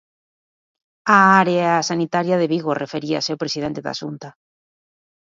Á área sanitaria de Vigo referíase o presidente da Xunta.